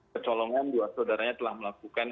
kecolongan dua saudaranya telah melakukan